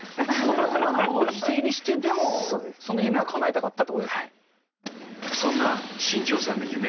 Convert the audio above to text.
さまざまなものを犠牲にしてでも、その夢はかなえたかったってことですね。